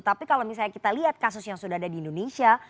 tapi kalau misalnya kita lihat kasus yang sudah ada di indonesia